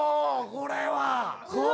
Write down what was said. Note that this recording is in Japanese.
これは！